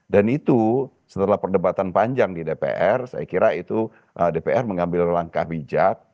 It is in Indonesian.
dan itu setelah perdebatan panjang di dpr saya kira itu dpr mengambil langkah bijak